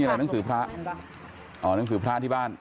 หนังสือพระที่บ้าน